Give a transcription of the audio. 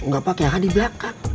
gak pake h di belakang